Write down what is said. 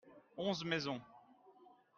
onze maisons.